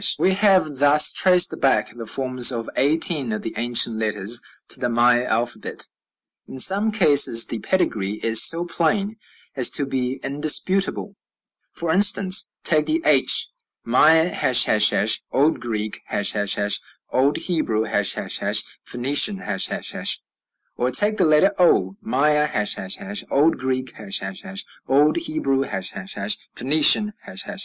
We have thus traced back the forms of eighteen of the ancient letters to the Maya alphabet. In some cases the pedigree, is so plain as to be indisputable. For instance, take the h: Maya, ###; old Greek, ###; old Hebrew, ###; Phoenician, ###. Or take the letter o: Maya, ###; old Greek, ###; old Hebrew, ###; Phoenician, ###.